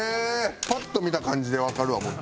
パッと見た感じでわかるわもう。